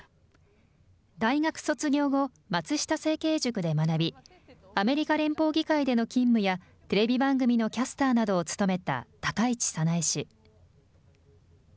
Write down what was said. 大学卒業後、松下政経塾で学び、アメリカ連邦議会での勤務や、テレビ番組のキャスターなどを務めた高市早苗氏。